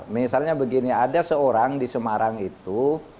misalnya begini ada seorang di semarang itu